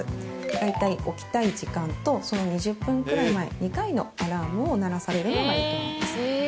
大体起きたい時間とその２０分くらい前２回のアラームを鳴らされるのがいいと思います。